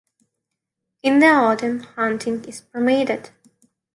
In the autumn, hunting is permitted.